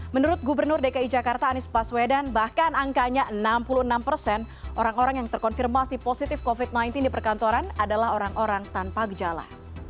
menurut gubernur dki jakarta anies paswedan bahkan angkanya enam puluh enam persen orang orang yang terkonfirmasi positif covid sembilan belas di perkantoran adalah orang orang tanpa gejala